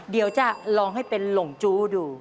เดี๋ยวจะลองให้เป็นหลงจู้ดู